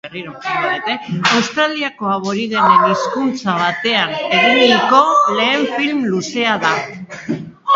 Australiako aborigenen hizkuntza batean eginiko lehen film luzea da.